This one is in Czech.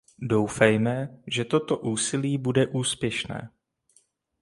Doufejme, že toto úsilí bude úspěšné.